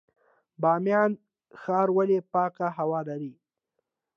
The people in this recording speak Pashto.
بامیان ښار ولې پاکه هوا لري؟